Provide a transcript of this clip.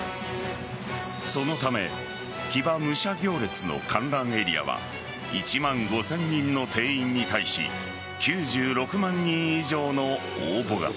そのため騎馬武者行列の観覧エリアは１万５０００人の定員に対し９６万人以上の応募が。